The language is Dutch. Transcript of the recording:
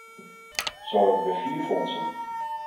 Zo hebben we vier fondsen.